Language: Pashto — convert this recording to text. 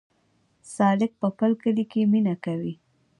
سالک په بل کلي کې مینه کوي